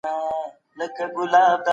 دوی ټولنې ته هم الهام ورکوي.